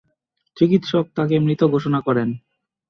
চিকিৎসক তাঁকে মৃত ঘোষণা করেন।